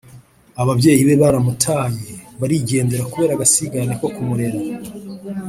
ababyeyi be baramutaye barigendera kubera agasigane ko kumurera